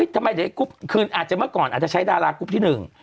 ทำไมเดี๋ยวกรุ๊ปคืนอาจจะเมื่อก่อนอาจจะใช้ดารากรุ๊ปที่หนึ่ง